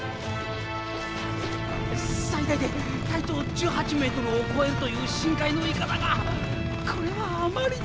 最大で体長１８メートルを超えるという深海のイカだがこれはあまりに。